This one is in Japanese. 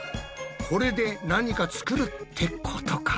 これで何か作るってことか？